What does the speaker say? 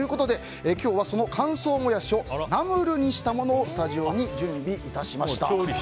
今日はその乾燥モヤシをナムルにしたものをスタジオに準備いたしました。